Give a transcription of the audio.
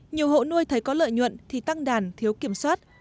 nhiều hộ nuôi thấy có lợi nhuận thì tăng đàn thiếu kiểm soát